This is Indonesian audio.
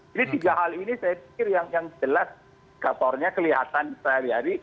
jadi tiga hal ini saya pikir yang jelas kantornya kelihatan setiap hari